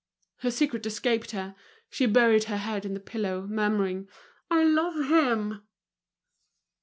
Her secret escaped her, she buried her head in the pillow, murmuring: "I love him!"